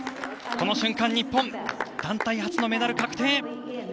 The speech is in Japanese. この瞬間、日本団体初のメダル確定。